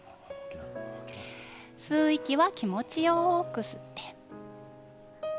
吸う息は気持ちよく吸って。